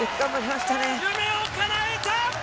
夢をかなえた！